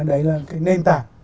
đấy là cái nền tảng